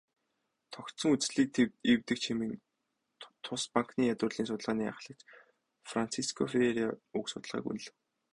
"Тогтсон үзлийг эвдэгч" хэмээн тус банкны ядуурлын судалгааны ахлагч Франсиско Ферреира уг судалгааг үнэлэв.